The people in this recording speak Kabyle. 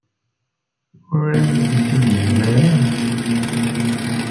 Ur am-tent-id-yemla ara.